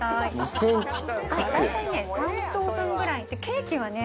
大体ね３等分ぐらいケーキはね